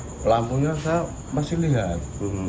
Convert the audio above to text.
selamanya saya masih lihat